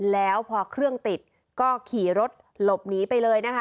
แล้วพอเครื่องติดก็ขี่รถหลบหนีไปเลยนะคะ